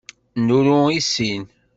Nru i sin.